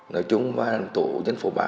nói chung là tổ dân phố ba